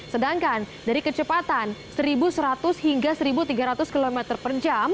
sedangkan dari kecepatan satu seratus hingga satu tiga ratus km per jam